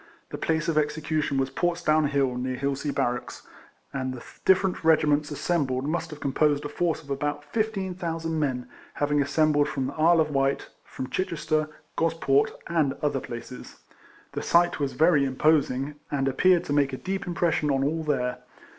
The place of execution was Portsdown Hill, near Hilsea Barracks, and the different regiments assembled must have composed a force of about fifteen thousand men, having been assembled from the Isle of Wight, from Chichester, Gosport, and other places. The RFLEMAN HARRIS. 5 sight was very imposing, and appeared to make a deep impression on all there.